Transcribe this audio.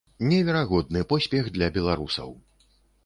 Неверагодны поспех для беларусаў.